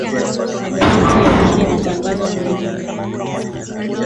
magazeti ya wiki inatangazwa kwenye vipindi vingi sana